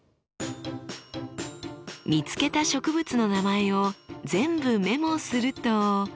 見つけた植物の名前を全部メモすると。